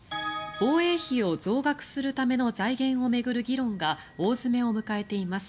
防衛費を増額するための財源を巡る議論が大詰めを迎えています。